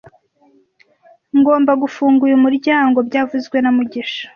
Ngomba gufunga uyu muryango byavuzwe na mugisha